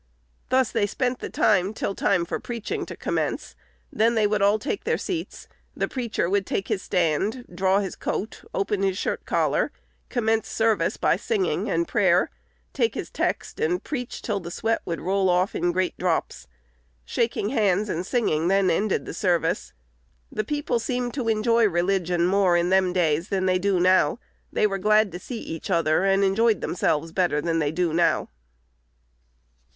Thus they spent the time till time for preaching to commence, then they would all take their seats: the preacher would take his stand, draw his coat, open his shirt collar, commence service by singing and prayer; take his text and preach till the sweat would roll off in great drops. Shaking hands and singing then ended the service. The people seemed to enjoy religion more in them days than they do now. They were glad to see each other, and enjoyed themselves better than they do now."